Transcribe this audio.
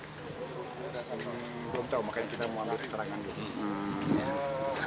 belum tahu makanya kita mau langsung terangkan dulu